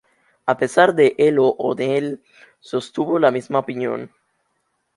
A pesar de ello O'Donnell sostuvo la misma opinión.